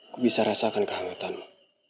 ku bisa rasakan kehangatanmu